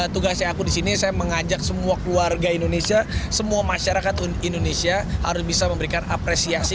tugasnya aku disini saya mengajak semua keluarga indonesia semua masyarakat indonesia harus bisa memberikan apresiasi